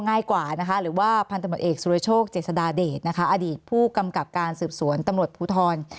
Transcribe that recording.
ง่ายกว่านะคะหรือว่าพันธมตเอกสุรโชคเจษฎาเดชนะคะอดีตผู้กำกับการสืบสวนตำรวจภูทร